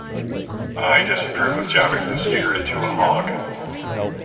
I disapprove of jabbing the spear into a hog.